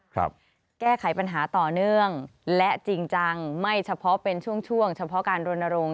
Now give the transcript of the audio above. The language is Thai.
แก้ไขปัญหาต่อเนื่องและจริงจังไม่เฉพาะเป็นช่วงช่วงเฉพาะการรณรงค์